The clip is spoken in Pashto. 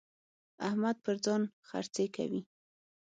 احمد پر ځان خرڅې کوي.